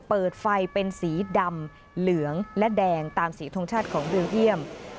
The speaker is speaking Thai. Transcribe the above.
เปิดไฟเป็นสีดำเหลืองและแดงตามสีทงชาติของเบลเยี่ยม